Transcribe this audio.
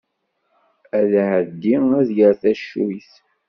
Ad iɛeddi ad yerr tacuyt.